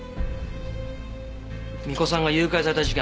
巫女さんが誘拐された事件